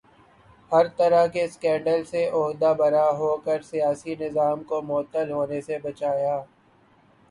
ہر طرح کے سکینڈل سے عہدہ برا ہو کر سیاسی نظام کو معطل ہونے سے بچایا